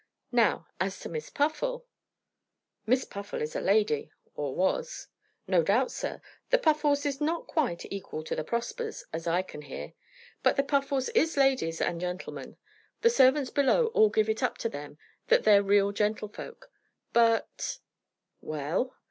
Now, as to Miss Puffle " "Miss Puffle is a lady, or was." "No doubt, sir. The Puffles is not quite equal to the Prospers, as I can hear. But the Puffles is ladies and gentlemen. The servants below all give it up to them that they're real gentlefolk. But " "Well?"